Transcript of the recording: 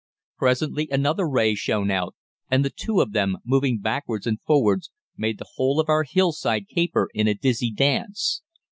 "Presently another ray shone out, and the two of them, moving backwards and forwards, made the whole of our hillside caper in a dizzy dance.